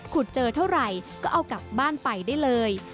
เจอเท่าไหร่ก็เอากลับบ้านไปได้เลย